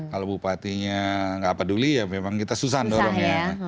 kalau bupatinya nggak peduli ya memang kita susah mendorongnya